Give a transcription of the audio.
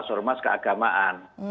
kalau yang menyampaikan itu adalah orman